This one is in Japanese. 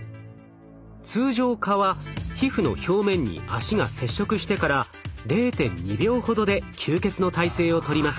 通常蚊は皮膚の表面に脚が接触してから０．２秒ほどで吸血の体勢をとります。